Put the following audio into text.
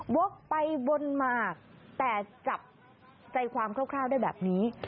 วกไปวนมาแต่จับใจความคร่าวได้แบบนี้